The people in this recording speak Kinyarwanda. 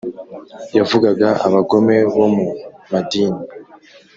Yavugaga abagome bo mu madini.